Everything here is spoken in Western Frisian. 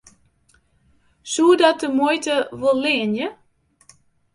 Soe dat de muoite wol leanje?